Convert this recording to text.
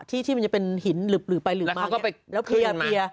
ที่ที่มันจะเป็นหินหลึบหลือไปหลิบหลึมมาอย่างนี้แล้วเพียวเพียว